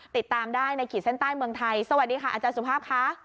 ติดตามได้ในขีดเส้นใต้เมืองไทยสวัสดีค่ะอาจารย์สุภาพค่ะ